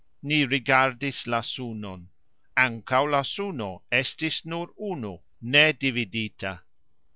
Ni rigardis la sunon. Ankaux la suno estis nur unu, nedividita.